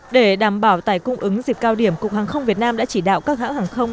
để đảm bảo tải cung ứng dịp cao điểm cục hàng không việt nam đã chỉ đạo các hãng hàng không